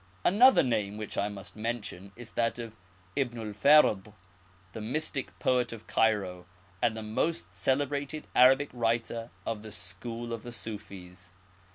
Another name which I must mention is that of Ibn el Farid, the mystic poet of Cairo, and the most celebrated Arabic writer of the school of the Sufis.